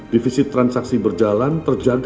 defisit transaksi berjalan terjaga